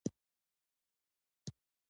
کرنه د بزګرانو د عاید لوړولو کې مرسته کوي.